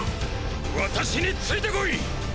私について来い！！